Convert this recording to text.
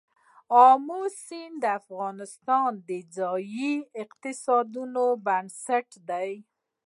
آمو سیند د افغانستان د ځایي اقتصادونو بنسټ دی.